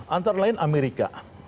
antara lain amerika